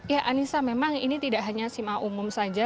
ya anissa memang ini tidak hanya sim a umum saja